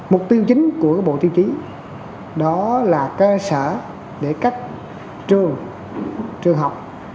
mục tiêu chính của bộ tiêu chí đó là cơ sở để các trường học